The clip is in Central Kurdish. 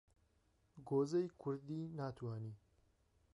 گۆزەی کوردی ناتوانی